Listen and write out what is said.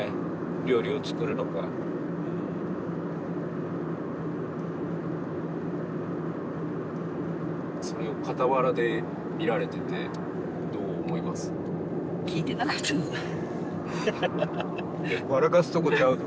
料理を作るのがそれを傍らで見られててどう思います？笑かすとこちゃうど